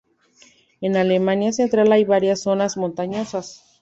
En Alemania Central hay varias zonas montañosas.